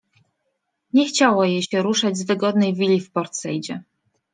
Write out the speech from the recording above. Nie chciało się jej ruszać z wygodnej willi w Port-Saidzie.